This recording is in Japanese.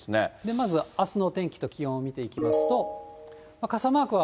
まず、あすの天気と気温見ていきますと、傘マークは、